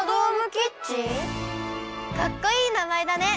かっこいいなまえだね！